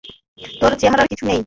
তোর চেহারায় কিছু নেই!